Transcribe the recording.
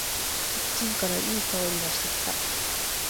キッチンからいい香りがしてきた。